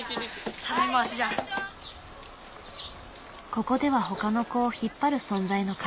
ここではほかの子を引っ張る存在の彼。